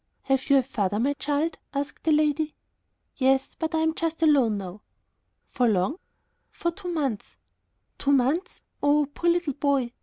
"Have you a father, my child?" asked the lady. "Yes, but I am alone just now." "For long?" "For two months." "Two months! Oh, poor little boy.